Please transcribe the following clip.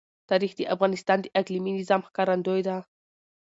تاریخ د افغانستان د اقلیمي نظام ښکارندوی ده.